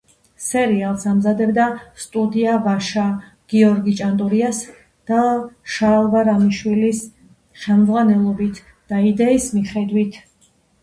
სერიალს ამზადებდა სტუდია „ვაშა“, გიორგი ჭანტურიას და შალვა რამიშვილის ხელმძღვანელობით და იდეების მიხედვით.